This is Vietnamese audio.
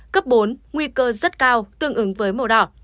cấp bốn nguy cơ rất cao tương ứng với màu đỏ